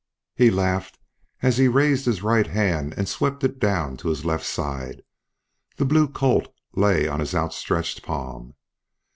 He laughed as he raised his right hand and swept it down to his left side; the blue Colt lay on his outstretched palm.